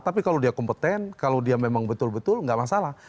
tapi kalau dia kompeten kalau dia memang betul betul nggak masalah